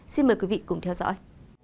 xin mời quý vị cùng theo dõi